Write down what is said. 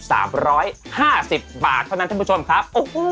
๓๕๐บาทเท่านั้นเค้าผู้ชมครับ